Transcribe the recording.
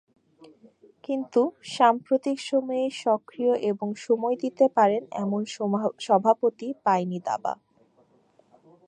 কিন্তু সাম্প্রতিক সময়ে সক্রিয় এবং সময় দিতে পারেন এমন সভাপতি পায়নি দাবা।